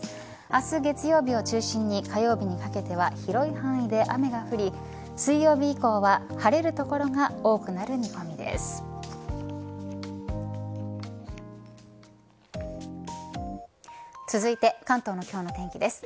明日、月曜日を中心に火曜日にかけては広い範囲で雨が降り水曜日以降は晴れる所が多くなる見込みです。